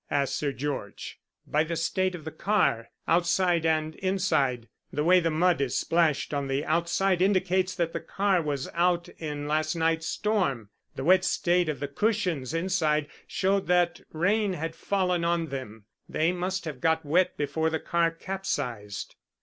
asked Sir George. "By the state of the car outside and inside. The way the mud is splashed on the outside indicates that the car was out in last night's storm. The wet state of the cushions inside showed that rain had fallen on them they must have got wet before the car capsized."